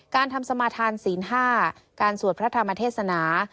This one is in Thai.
การทำสมาธานศีล๕การสวดพระธรรมเทศนา